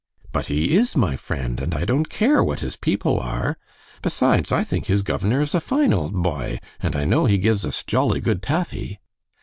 "But he is my friend, and I don't care what his people are. Besides, I think his governor is a fine old boy, and I know he gives us jolly good taffy."